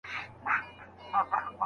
د دوی هڅې د ستاینې وړ دي.